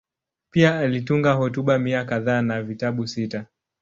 Pia alitunga hotuba mia kadhaa na vitabu sita.